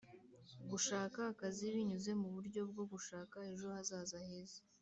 gushaka akazi binyuze mu buryo bwo gushaka ejo hazaza heza